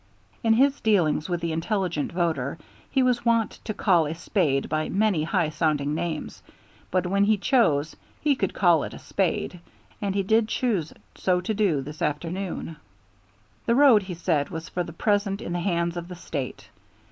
In his dealings with the Intelligent Voter he was wont to call a spade by many high sounding names, but when he chose he could call it a spade, and he did choose so to do this afternoon. The road, he said, was for the present in the hands of the State.